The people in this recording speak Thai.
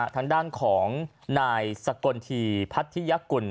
ทางด้านของนายสกลทีพัทธิยกุล